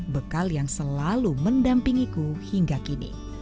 bekal yang selalu mendampingiku hingga kini